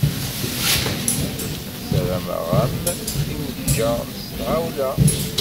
Sarameɣ-am timejja s temɣawla.